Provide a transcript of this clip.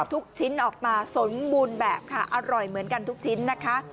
ทุกชิ้นออกมาสมบูรณ์แบบค่ะอร่อยเหมือนกันทุกชิ้นนะคะ